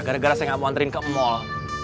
gara gara saya nggak mau anterin ke emol